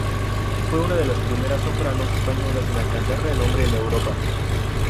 Fue una de las primeras sopranos españolas en alcanzar renombre en Europa.